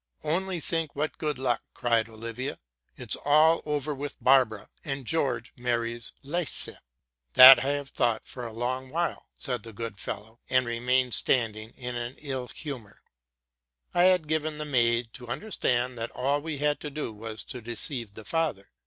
'* Only think! what good luck!' eried Olivia: 'it's all over with Barbara, and G eorge marries Liese.'' —'* That I have thought for a long while,"' said the good fellow, and remained standing i in an ill humor. I had given the maid to understand that all we had to do was to deceive the father.